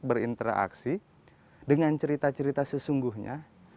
berinteraksi dengan cerita cerita sesungguhnya